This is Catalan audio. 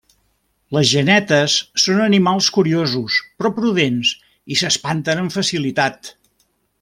Les genetes són animals curiosos però prudents i s'espanten amb facilitat.